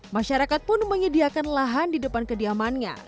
masyarakat pun menyediakan lahan di depan kediamannya